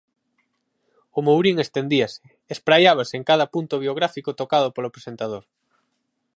O Mourín estendíase, espraiábase en cada punto biográfico tocado polo presentador.